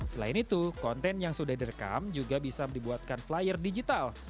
selain itu konten yang sudah direkam juga bisa dibuatkan flyer digital